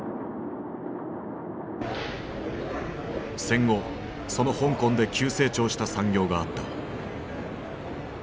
戦後その香港で急成長した産業があった。